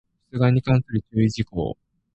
出願に関する注意事項